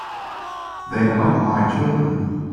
They're not my children.